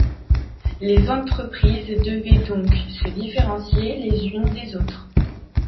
Les entreprises devaient donc se différencier les unes des autres.